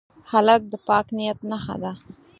هلک د پاک نیت نښه ده.